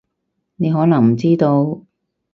你可能唔知道